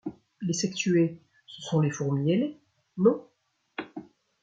Les sexuées, ce sont les fourmis ailées, non ?